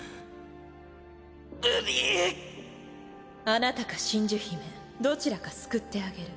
あなたか真珠姫どちらか救ってあげる。